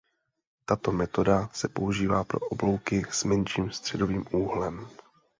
Tato metoda se používá pro oblouky s menším středovým úhlem.